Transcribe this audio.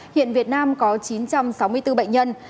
hiện việt nam có chín trăm sáu mươi bốn bệnh nhân